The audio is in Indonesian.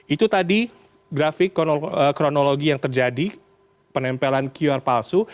itu tadi grafik kronologi yang terjadi penempelan qr palsu